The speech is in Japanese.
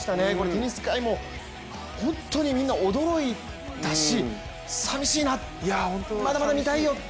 テニス界も本当にみんな驚いたし、さみしいな、まだまだ見たいと。